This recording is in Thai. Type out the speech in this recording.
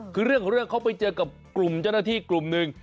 คือเรื่องของเรื่องเขาไปเจอกับกลุ่มเจ้าหน้าที่กลุ่มหนึ่ง